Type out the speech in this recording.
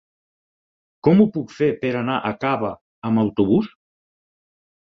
Com ho puc fer per anar a Cava amb autobús?